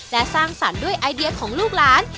และสร้างสรรค์ด้วยไอเดียของลูกหลาน